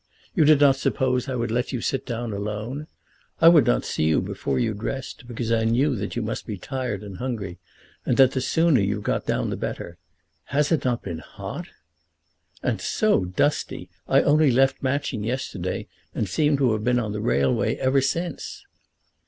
You did not suppose I would let you sit down alone? I would not see you before you dressed because I knew that you must be tired and hungry, and that the sooner you got down the better. Has it not been hot?" "And so dusty! I only left Matching yesterday, and seem to have been on the railway ever since."